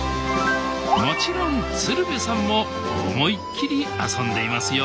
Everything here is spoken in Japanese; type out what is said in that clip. もちろん鶴瓶さんも思いっきり遊んでいますよ